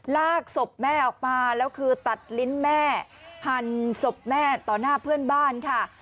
ลากศพแม่ออกมาแล้วคือตัดลิ้นแม่หั่นศพแม่ต่อหน้าเพื่อนบ้านค่ะ